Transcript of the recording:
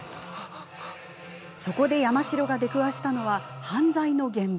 そこで山城が出くわしたのは犯罪の現場。